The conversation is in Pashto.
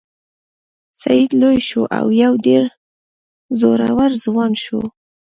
سید لوی شو او یو ډیر زړور ځوان شو.